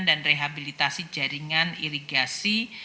dan rehabilitasi jaringan irigasi